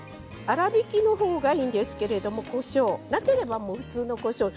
粗びきのほうがいいんですけどこしょうなければ普通のこしょう。